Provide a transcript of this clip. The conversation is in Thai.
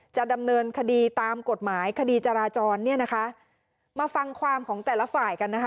จะดำเนินคดีตามกฎหมายคดีจราจรเนี่ยนะคะมาฟังความของแต่ละฝ่ายกันนะคะ